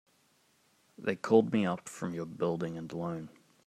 They called me up from your Building and Loan.